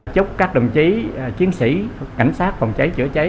chúc các đồng chí chiến sĩ cảnh sát phòng cháy chữa cháy